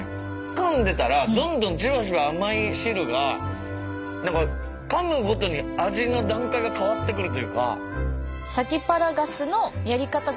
かんでたらどんどんジュワジュワ甘い汁が何かかむごとに味の段階が変わってくるというか。